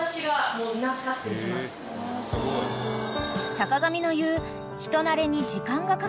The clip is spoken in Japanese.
［坂上の言う］